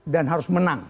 dan harus menang